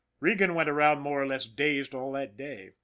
Regan went around more or less dazed all that day.